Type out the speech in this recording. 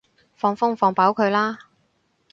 放風放飽佢啦